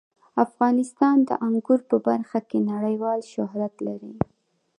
افغانستان د انګور په برخه کې نړیوال شهرت لري.